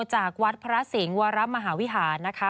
จากวัดพระสิงห์วรมหาวิหารนะคะ